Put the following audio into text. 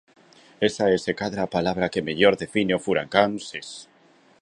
Esa é, se cadra, a palabra que mellor define o furacán Sés.